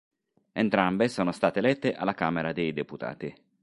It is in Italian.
Entrambe sono state elette alla Camera dei deputati.